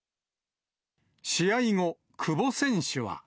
試合後、久保選手は。